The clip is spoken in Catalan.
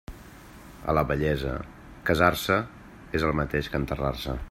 A la vellesa, casar-se és el mateix que enterrar-se.